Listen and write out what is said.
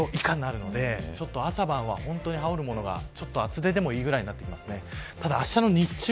１５度以下になるんで朝晩は、羽織るものが厚手でもいいぐらいになってきます。